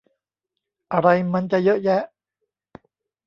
อะไรมันจะเยอะแยะ